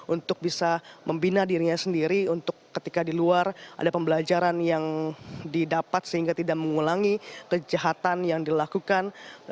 untuk bisa membina dirinya sendiri untuk ketika di luar ada pembelajaran yang didapat sehingga tidak mengulangi kejahatan yang dilakukan